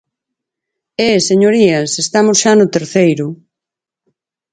E, señorías, ¡estamos xa no terceiro!